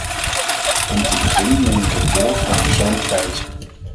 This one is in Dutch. Om te beginnen neem ik het woord voor een persoonlijk feit.